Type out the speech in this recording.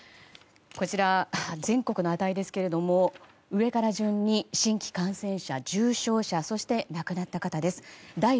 全国の値ですが上から順に新規感染者、重症者そして亡くなった方です。